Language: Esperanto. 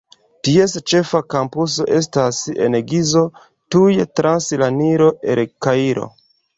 Ties ĉefa kampuso estas en Gizo, tuj trans la Nilo el Kairo.